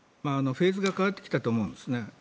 フェーズが変わってきたと思うんですね。